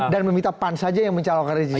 dan meminta pan saja yang mencalonkan rezeki